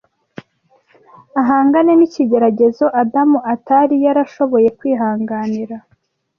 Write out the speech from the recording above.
ahangane n’ikigeragezo Adamu atari yarashoboye kwihanganira.